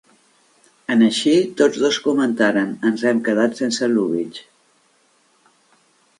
En eixir, tots dos comentaren: 'Ens hem quedat sense Lubitsch'